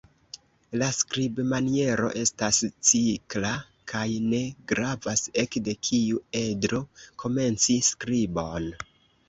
La skribmaniero estas cikla kaj ne gravas ekde kiu edro komenci skribon.